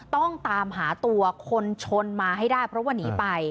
ต้องตามหาตัวคนชนมาให้ได้เพราะว่าหนีไป